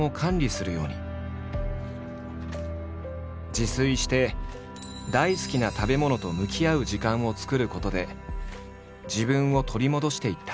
自炊して大好きな食べ物と向き合う時間を作ることで自分を取り戻していった。